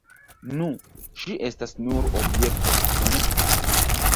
Nu, ŝi estas nur objekto, ĉu ne?